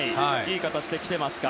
いい形で来ていますか。